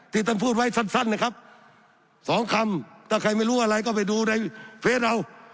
ท่านพูดไว้สั้นนะครับสองคำถ้าใครไม่รู้อะไรก็ไปดูในเฟสเอา